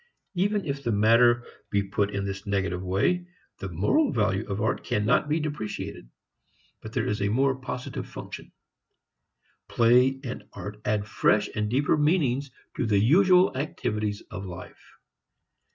Even if the matter be put in this negative way, the moral value of art cannot be depreciated. But there is a more positive function. Play and art add fresh and deeper meanings to the usual activities of life.